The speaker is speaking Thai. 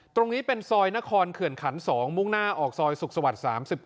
ตรงนี้เป็นซอยนครเขื่อนขัน๒มุ่งหน้าออกซอยสุขสวรรค์๓๙